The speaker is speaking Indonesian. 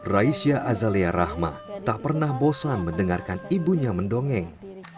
raisya azalia rahma tak pernah bosan mendengarkan ibunya mendongeng